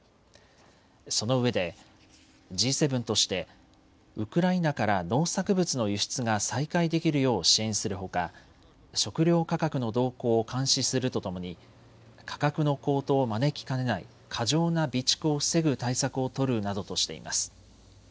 そのうえでＧ７としてウクライナから農作物の輸出が再開できるよう支援するほか食料価格の動向を監視するとともに価格の高騰を招きかねない過剰な備蓄を防ぐ対策を取るなどとしています。